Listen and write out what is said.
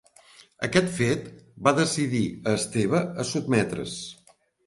Aquest fet va decidir a Esteve a sotmetre's.